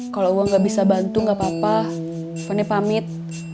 kalau gua nggak bisa bantu nggak apa apa pene pamit